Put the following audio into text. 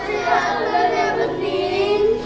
jangan kesiakan ya bening